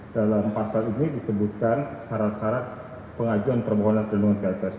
dalam pasal ini disebutkan syarat syarat pengajuan permohonan perlindungan ke lps